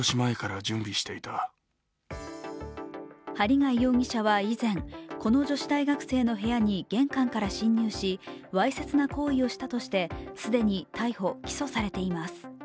針谷容疑者は以前、この女子大学生の部屋に玄関から侵入しわいせつな行為をしたとして既に逮捕・起訴されています。